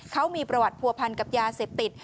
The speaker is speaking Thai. เขามีประวัติผัวพันกับยาเสพติด